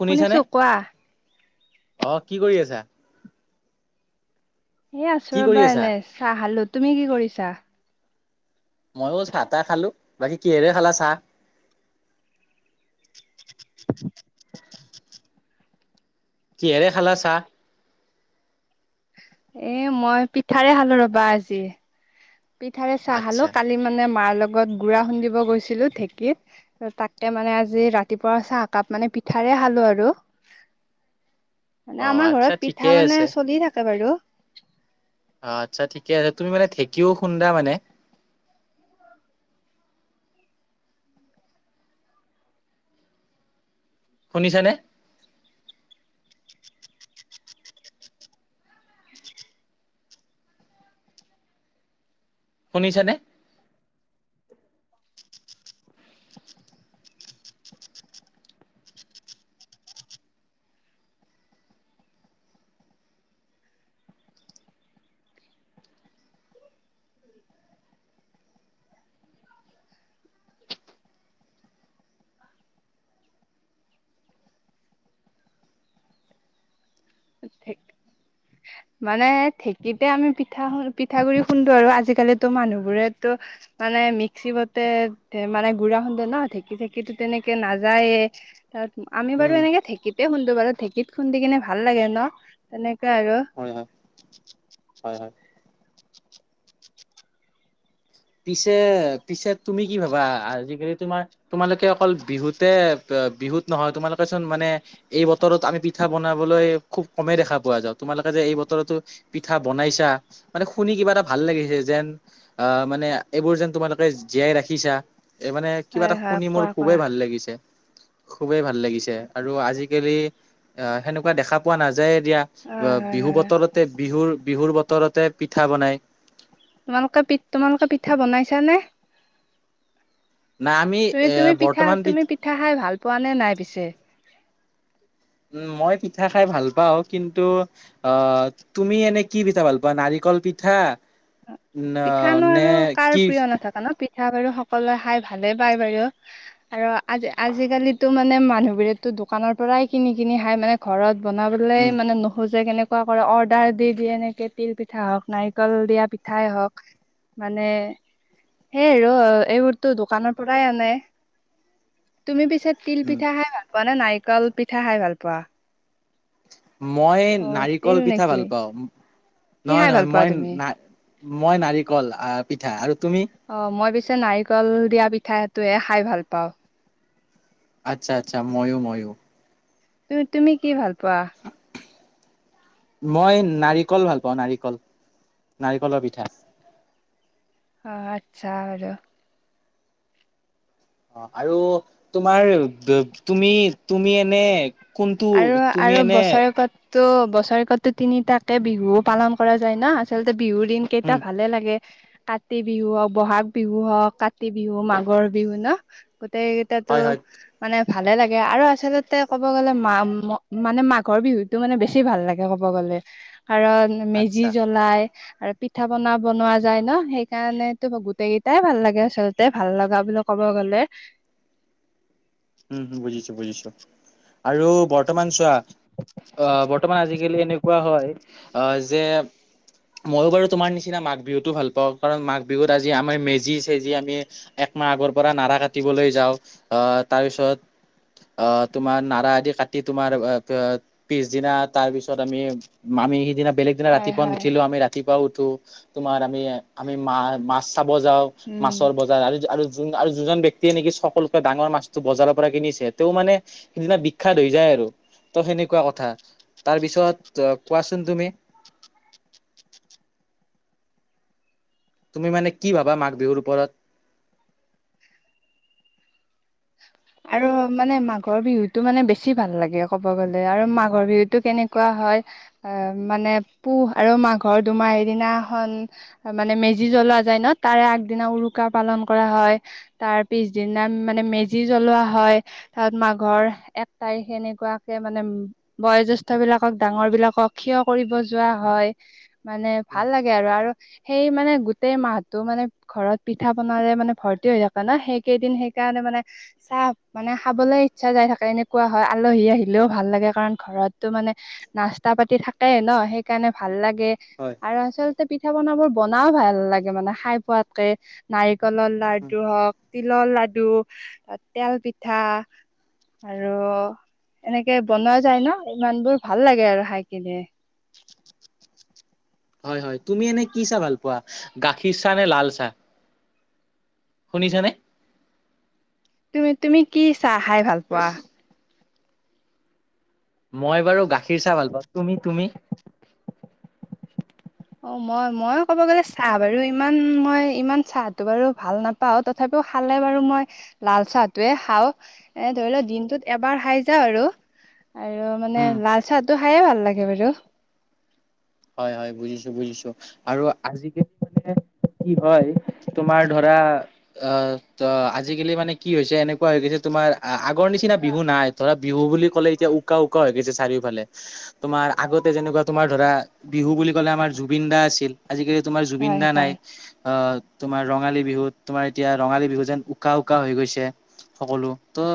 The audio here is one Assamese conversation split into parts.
শুনিছানে শুনিছো কোৱা অ কি কৰি আছা? এই আছো কি কৰি ৰ'বা আছা? এনে চাহখালোঁ তুমি কি কৰিছা? মইও চাহ তাহ খালো, বাকী কিহেৰে খালা চাহ? কিহেৰে খালা চাহ? এ মই পিঠাৰে খালো ৰবা আজি। পিঠাৰে চাহ খালো আচ্ছা কালি মানে মাৰ লগত গুড়া খুন্দিব গৈছিলো ঢেঁকীত। তাকে মানে আজি ৰাতিপুৱা চাহ একাপ মানে পিঠাৰে খালো আৰু। [inaudible] মানে আমাৰ আচ্ছা ঘৰত ঠিকে পিঠা মানে আছে। চলি থাকে বাৰু। আ আচ্ছা ঠিকে তুমি মানে ঢেঁকিও খুন্দা মানে? শুনিছানে? শুনিছেনে? ঢেঁক মানে ঢেঁকীতে আমি পিঠা পিঠাগুড়ৰি খুন্দো আৰু আজিকালিতো মানুহবোৰেতো মানে মিক্সি মতে মানে গুড়া খুন্দে ন ঢেঁকি চেকি তেনেকে নাযায়ে তাত আমি বাৰু উম এনেকে ঢেকতে খুন্দো বাৰু ঢেঁকীত খুন্দি কিনে ভাল লাগে ন তেনেকে আৰু। হয় হয় হয় হয়। পিছে পিছে তুমি কি ভাবা আজিকালি তোমাৰ- তোমালোকে অকল বিহুতে বিহুত নহয় তোমালোকে চোন মানে এই বতৰত আমি পিঠা বনাবলৈ খুব কমেই দেখা পোৱা যায়। তোমালোকে যে এই বতৰতো- পিঠা বনাইছা মানে শুনি কিবা এটা ভাল লাগিছে যেন আহ মানে- এইবোৰ যেন তোমালোকে জীয়াই ৰাখিছা এই মানে কিবা হয় এটা হয় শুনি মোৰ কোৱা খুবেই কোৱা ভাল লাগিছে। খুবেই ভাল লাগিছে আৰু আজিকালি আহ সেনেকুৱা দেখা পোৱা নাযায় এতিয়া। অ বা হয় বিহু হয় বতৰতে বিহুৰ বিহুৰ বতৰতে পিঠা বনাই। তোমালোকে পি তোমালোকে পিঠা বনাইছা নে? না আমি তুমি এ তুমি পিঠা বৰ্তমান তুমি পিঠা খাই ভাল পোৱা নে নাই পিছে? উ মই পিঠা খাই ভাল পাওঁ কিন্তু আহ তুমি এনে কি পিঠা ভাল পোৱা নাৰিকল পিঠা ন পিঠা নু নে আৰু কাৰ কি প্ৰিয় নাথকা ন পিঠা বাৰু সকলোৱে খাই ভালে পায় বাৰু আৰু আজ আজিকালিতো মানে মানুহবোৰেতো দোকানৰ পৰাই কিনি কিনি খাই মানে ঘৰত বনাবলৈ উম, মানে নোখোজে কেনেক- অৰ্ডাৰ দি দিয়ে এনেকে তিল পিঠা হক নাৰিকল দিয়া- পিঠাই হওক মানে সেই ৰ এইবোৰতো দোকানৰ পৰাই আনে তুমি পিছে- তিল উম, পিঠা খাই ভাল পোৱা নে নাৰিকল পিঠা খাই ভাল পোৱা? মই অ তিল নাৰিকল পিঠা নেকি ভাল পাওঁ কি নহয় খাই ভাল নহয় পোৱা তুমি মই- মই নাৰিকল আ পিঠা আৰু তুমি? অ মই পিছে নাৰিকল দিয়া পিঠাটোয়ে খাই ভাল পাওঁ। আচ্ছা আচ্ছা ময়ো ময়ো। তুম তুমি কি ভাল পোৱা? [unintelligible] মই নাৰিকল ভাল পাওঁ নাৰিকল নাৰিকলৰ পিঠা। অঁ আচ্ছা বাৰু। অ আৰু তোমাৰ তুমি তুমি এনে- কোনটো আৰু তুমি আৰু এনে বছৰেকত- ত' বছৰেকতো তিনিটাকে বিহুও পালন কৰা যায় ন আচলতে বিহুৰ দিন- কেইটা উম, ভালে লাগে- কাতি বিহু হওক ব'হাগ বিহু হওক কাতি বিহু মাঘৰ বিহু ন হয়, গোটেই- হয় মানে ভালে লাগে আৰু আচলতে ক'ব গ'লে- মা মানে মাঘৰ বিহুতটো মানে বেছি ভাল লাগে ক'ব গলে কাৰণ- মেজি আচ্ছা জ্বলাই আৰু- পিঠা পনা বনোৱা যায় ন সেইকাৰণেতো গোটেই কেইটাই ভাল লাগে আচলতে ভাল লগা বো ক'ব গ'লে- উম বুজিছো বুজিছো আৰু বৰ্তমান চোৱা- আ বৰ্তমান আজি-কালি এনেকুৱা হয় আ যে মইও বাৰু তোমাৰ নিচিনা মাঘ বিহুতো ভাল পাওঁ। কাৰণ মাঘ বিহুত আজি আমাৰ মেজি চেজি আমি একমাহ আগৰ পৰা নাৰা কাটিবলৈ যাওঁ। আহ তাৰপিছত- অ তোমাৰ নাৰা আদি কাটি তোমাৰ পিছদিনা তাৰ পিছত আমি আমি সিদিনা বেলেগ দিনা হয় ৰাতিপুৱা হয় নুঠিলো আমি ৰাতিপুৱাও উঠো তোমাৰ আমি আমি মা মাছ চাব যাওঁ। উম মাছৰ বজাৰ আৰু আৰু যোন-জন ব্যক্তিয়ে নেকি সকলোকে ডাঙৰ মাছ বজাৰৰ পৰা কিনিছে তে মানে সেইদিনা বিখ্যাত হৈ যায় আৰু ত সেনেকুৱা কথা। তাৰ পিছত অ কোৱাচোন তুমি? তুমি মানে কি ভাবা মাঘ বিহুৰ ওপৰত? আৰু মানে মাঘৰ বিহুতটো মানে বেছি ভাল লাগে ক'ব গলে আৰু মাঘৰ বিহুতটো কেনেকুৱা হয়, আহ মানে পুহ আৰু মাঘৰ দুমাহি দিনাখন মানে মেজি জ্বলোৱা যায় ন তাৰে আগদিনা উৰুকা পালন কৰা হয়, তাৰ পিছদিনা মানে মেজি জ্বলোৱা হয় তাত মাঘৰ এক তাৰিখ সেনেকুৱাকে মানে, বয়োজেষ্ঠ্য বিলাকক ডাঙৰ বিলাকক ক্ষয় কৰিব যোৱা হয় মানে ভাল লাগে, আৰু আৰু সেই মানে গোটেই মাহটো মানে ঘৰত পিঠা বনালে মানে ভৰ্তি হৈ থাক ন সেইকেইদিন সেইকাৰণে মানে চাহ মানে খাবলৈ ইচ্ছা যাই থাকে এনেকুৱা হয় আলহী আহিলেও ভাল লাগে কাৰণ ঘৰতো মানে- নাস্তা পাতি থাকে ন সেইকাৰণে ভাল লাগে। হয় আৰু আচলতে পিঠা পনাবোৰ বনাইও ভাল লাগে মানে খাই পোৱাতকে। নাৰিকলৰ লাডু হওক তিলৰ লাডু তেল পিঠা- আৰু এনেকে বনোৱা যায় ন ইমান বোৰ ভাল লাগে আৰু খাই কিনে। হয় হয় তুমি এনে কি চাহ ভাল পোৱা গাখীৰ চাহ নে লাল চাহ? শুনিছা নে? তুমি তুমি কি চাহ খাই ভাল পোৱা,? মই বাৰু গাখীৰ চাহ ভাল পাওঁ। তুমি, তুমি? - অ মই মই ক'ব গ'লে চাহ বাৰু ইমান মই ইমান চাহটো বাৰু ভাল নাপ পাওঁ তথাপিও খালে বাৰু মই লাল চাহটোৱে খাওঁ, এ ধৰি লও দিনটোত এবাৰ হাই যাওঁ আৰু, আৰু মানে উম লাল চাহটো খায়ে ভাল লাগে বাৰু, হয় হয় বুজিছো বুজিছো, আৰু আজিকালি মানে কি হয় তোমাৰ ধৰা, অ ত আজিকালি মানে কি হৈছে এনে, কোৱা হৈ গৈছে তোমাৰ আগৰ নিচিনা বিহু নাই ধৰা বিহু বুলি ক'লে এতিয়া উকা উকা হৈ গৈছে চাৰিওফালে, তোমাৰ আগতে যেনেকুৱা তোমাৰ ধৰা বিহু বুলি ক'লে আমাৰ জুবিন দা আছিল, আজিকালি তোমাৰ জুবিন হয় দা নাই হয় আহ, তোমাৰ ৰঙালী বিহুত তোমাৰ এতিয়া ৰঙালী বিহু যেন উকা উকা হৈ গৈছে সকলো ত,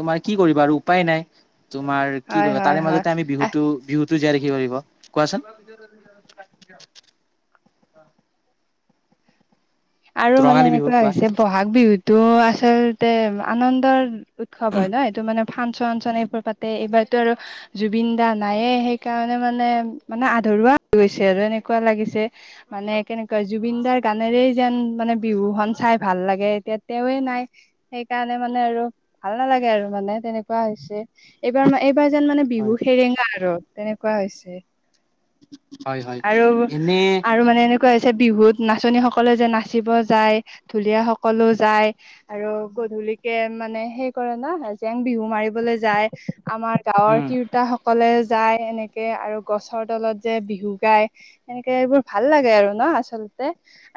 তোমাৰ কি কৰিবা আৰু উপায় নাই। তোমাৰ কি হয় কৰিবা হয় তাৰে মাজতে আমি হয় বিহুতো- বিহুতো জীয়াই ৰাখিব পাৰিব কোৱাচোন? [unintelligible] আৰু মানে ৰঙালী বিহু এনেকুৱা কোৱা হৈছে বহা, বহাগ বিহুটো আচলতে আনন্দৰ উৎসৱ হয় ন' সেইটো মানে ফাংচন -চন এইবোৰ পাতে এইবাৰতো আৰু জুবিন দা নায়ে সেইকাৰণে মানে -মানে আধৰুৱা হৈ গৈছে আৰু এনেকুৱা লাগিছে মানে কেনেকুৱা জুবিন দাৰ গানেৰেই যেন মানে বিহু খন চাই ভাল লাগে এতিয়া তেৱে নাই সেইকাৰণে মানে আৰু ভাল নালাগে আৰু মানে তেনেকুৱা হৈছে এইবাৰ মা এইবাৰ যেন মানে বিহু হয়। সেৰেঙা আৰু তেনেকুৱা হৈছে। হয় হয়। এনে আৰু-আৰু মানে এনেকুৱা হৈছে বিহুত নাচনী সক সকলে যে নাচিব যায় ঢুলীয়া সকলোঁ যাই আৰু গধূলিকে মানে সেই কৰে ন, জেং বিহু মাৰিব মাৰিবলে যায় আমাৰ গাঁৱৰ উম তিৰো ৰোতা সকলে যায় এনেকে আৰু গছৰ তলত যে বিহু গায় এনেকে এইবোৰ ভাল লাগে আৰু ন' আচলতে।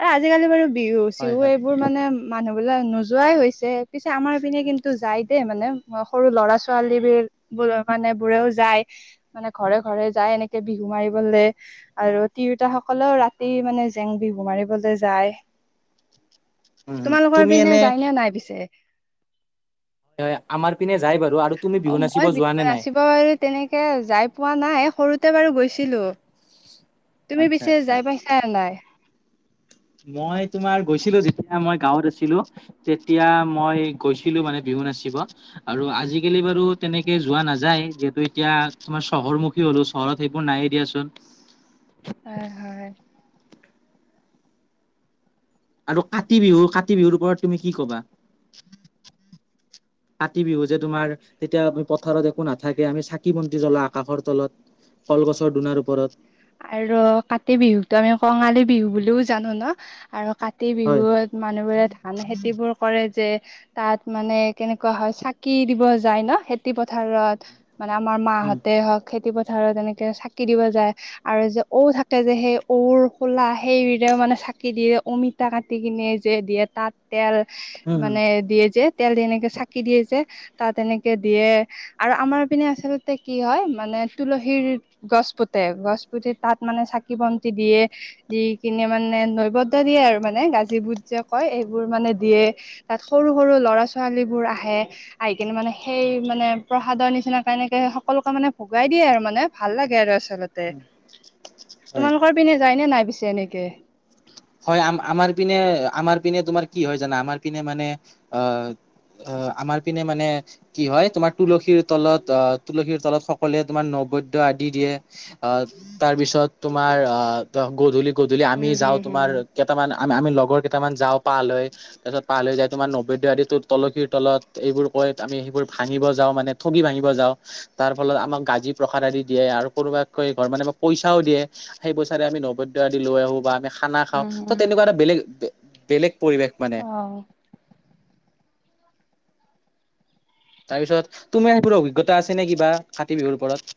আৰু আজিকালি বাৰু বিহু- হয় চিহু হয় এইবোৰ মানে মানুহবিলাক নোযোৱাই হৈছে। পিছে আমাৰ পিনে কিন্তু যাই দে মানে অহ, সৰু ল'ৰা -ছোৱালী বিৰ বোৰৰ কাৰনে বোৰেও যায়। মানে ঘৰে -ঘৰে যাই এনেকে বিহু মাৰিবলে আৰু তিৰোতাসকলেও ৰাতি মানে জেং বিহু মাৰে। বলে যায় উম উম তোমালোকৰ তুমি পিনে এনে যায় নে নাই পিছে? তে আমাৰ পিনে যাই বাৰু আৰু তুমি অ বিহু নাচিব মই যোৱা বিহু নে নাই? নাচিব বাৰু তেনেকে যাই পোৱা নাই সৰুতে বাৰু গৈছিলো। তুমি আচ্ছা পিছে আচ্ছা। যাই পাইছা নে নাই? মই তোমাৰ গৈছিলোঁ যেতিয়া মই গাঁৱত আছিলোঁ। তেতিয়া মই গৈছিলোঁ মানে বিহু নাচিব। আৰু আজিকালি বাৰু তেনেকে যোৱা নাযায় যিহেতু এতিয়া তোমাৰ চহৰ মুুখ মুখী হ'লো চহৰত সেইবোৰ নায়েই দিয়াচোন। পাৰ হ। আৰু কাতি বিহু -কাতি বিহুৰ ওপৰত তুমি কি ক'বা? কাতি বিহু যে তোমাৰ তেতিয়া আমি পথাৰত একো নাথাকে আমি চাকি বন্তি জ্বলাও আকাশৰ তলত। কলগছৰ দুনাৰ ওপৰত। আৰ কাতি বিহুতো আমি কঙালী বিহু বুলিওঁ জানো ন, আৰু কাতি হয়। বিহুত মানুহবোৰে ধান খেতি বোৰ কৰে যে তাত মানে কেনেকুৱা হয় চাকি দিব যায় ন, খেতি পথাৰত মানে আমাৰ উম, মাহঁতে হওক খেতি পথাৰত এনেকে চাকি দিব যায়। আৰু যে ঔ থাকে যে সেই ঔৰ খোলা সেইৰেও মানে চাকি দিয়ে অমিতা কাটি কিনে যে দিয়েত তাত তেল উম, মানে দিয়ে যে তেল দি এনেকে চাকি দিয়ে যে তাত এনেকে দিয়ে আৰু আমাৰ পিনে আচলতে কি হয় মানে তুলসীৰ গছ পোতে গছ পুতি তাত মানে চাকি বন্তি দিয়ে দি কিনে মানে নৈবদ্য দিয়ে আৰু মানে গাজী বুট যে কয় এইবোৰ মানে দিয়ে। তাত সৰু- সৰু ল'ৰা- ছোৱালীবোৰ আহে। আহি কিনে মানে সেই মানে প্ৰসাদৰ নিচিনাকে এনেকে সকলোকে মানে ভগাই দিয়ে আৰু মানে ভাল লাগে আৰু আচলতে উম, হয়। তোমালোকৰ পিনে যায় নে নাই পিছে এনেকে? হয় আম- আমাৰ পিনে -আমাৰ পিনে তোমাৰ কি হয় জানা আমাৰ পিনে মানে অ, অ, আমাৰ পিনে মানে কি হয় তোমাৰ তুলসীৰ তলত অ, তুলসীৰ তলত সকলোৱে তোমাৰ নবদ্যয় আদি দিয়ে। অ, তাৰ পিছত তোমাৰ অ, গধূলি - গধূলি আমি উম, যাও। হম, হম, কেইটামান আম আমি লগৰ কেইটামান যাও পালৈ তাৰপিছত পালৈ যাই তোমাৰ নবেদ্য আদিতোত তুলসীৰ তলত এইবোৰ কৈ আমি সেইবোৰ ভাঙিব যাওঁ মানে ঠগি ভাঙিব যাওঁ। তাৰফলত আমাক গাজি প্ৰসাদ আদি দিয়ে আৰু কোনোবাককৈ ধৰ মানে মোক পইচাও দিয়ে। সেই পইচাৰে আমি নবদ্য আদি লৈ আহো বা আমি খা খানা খাও উম, উম। ত'তেনেকুৱা এটা বেলেগ -বেলেগ পৰিৱেশ মানে। অ'। তাৰপিছত তুমাৰ সেইবোৰ অভিজ্ঞতা আছে নে কিবা কাতি বিহুৰ ওপৰত?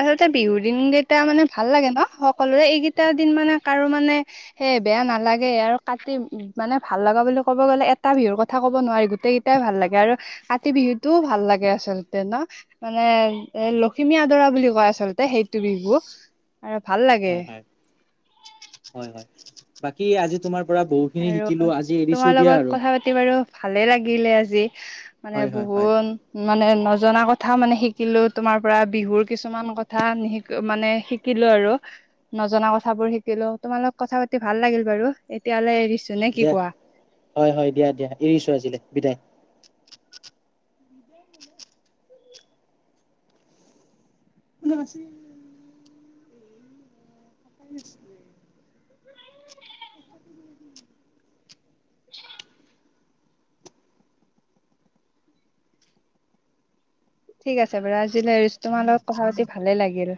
আচলতে বিহুৰ দিন কেইটা মানে ভাল লাগে ন সকলোৰে এইকেইটা দিন মানে কাৰো মানে সে বেয়া নালাগে আৰু কাটি উম, মানে ভাল লগা বুলি ক'ব গ'লে এটা বিহুৰ কথা ক'ব নোৱাৰি গোটেইকেইটা টাই ভাল লাগে আৰু কাতি বিহুতটোও ভাল লাগে আচলতে ন। মানে এ লখিমী আদৰা বুলি কয় আচলতে সেইটো বিহু আৰু ভাল লাগে। হয় হয় হয়- হয় বাকী আজি তোমাৰ পৰা বহুখিনি আৰু শিকিলো আজি এৰিছো তোমাৰ দিয়া লগত আৰু কথা পাতি বাৰু ভালে লাগিলে আজি। মানে হয় হয় হয় বহুত মানে নজনা কথাও মানে শিকিলো তোমাৰ পৰা বিহুৰ কিছুমান কথা মানে শিকিলো আৰু নজনা কথাবোৰ শিকিলো তোমালোক কথা পাতি ভাল লাগিল বাৰু এতিয়ালে এৰিছো। নে কি দিয়া কোৱা হয় - হয় দিয়া দিয়া এৰিছো আজিলে বিদায়। [inaudible] গছে [unintelligible] [inaudible] [unintelligible] [unintelligible] ঠিক আছে বাৰু আজিলে এৰিছো তোমাৰ লগত কথাপাতি ভালে লাগিল।